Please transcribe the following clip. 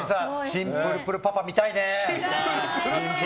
新プルプルパパ見たいね。